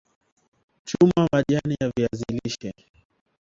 chuma majani ya viazi lishe